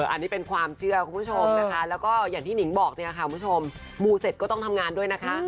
อันนี้เป็นความเชื่อคุณผู้ชมนะคะแล้วก็อย่างที่หนิงบอกเนี่ยค่ะคุณผู้ชมมูเสร็จก็ต้องทำงานด้วยนะคะ